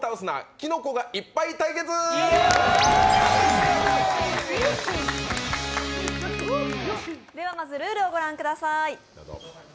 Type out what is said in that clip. きのこがいっぱい対決！」ではまずルールをご覧ください。